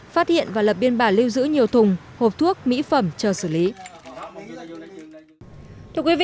phát hiện và lập biên bản lưu giữ nhiều thùng hộp thuốc mỹ phẩm chờ xử lý